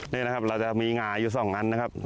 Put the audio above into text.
นี่นะครับเราจะมีหงาอยู่๒อันนะครับ